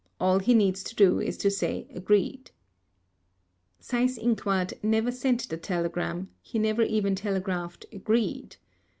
All he needs to do is to say 'Agreed'." Seyss Inquart never sent the telegram; he never even telegraphed "Agreed".